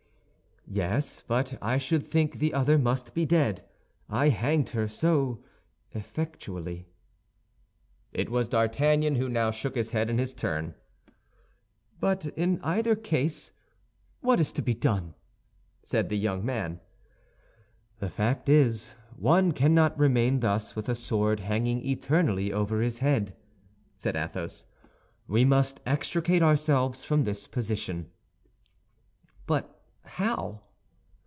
"Yes; but I should think the other must be dead, I hanged her so effectually." It was D'Artagnan who now shook his head in his turn. "But in either case, what is to be done?" said the young man. "The fact is, one cannot remain thus, with a sword hanging eternally over his head," said Athos. "We must extricate ourselves from this position." "But how?"